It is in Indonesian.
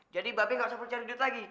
jadi babi gak usah perlu cari duit lagi